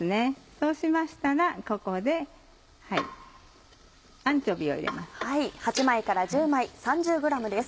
そうしましたらここでアンチョビーを入れます。